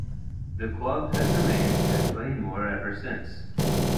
The club has remained at Plainmoor ever since.